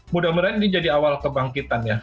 mudah mudahan ini jadi awal kebangkitan ya